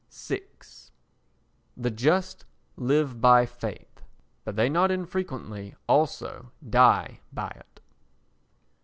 vi The just live by faith, but they not infrequently also die by it.